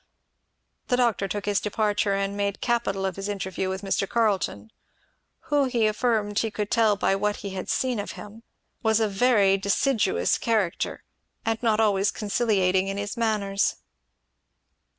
The doctor took his departure and made capital of his interview with Mr. Carleton; who he affirmed he could tell by what he had seen of him was a very deciduous character, and not always conciliating in his manners.